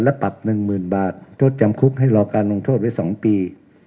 และปรับหนึ่งหมื่นบาทโทษจำคุกให้รอการลงโทษไว้สองปี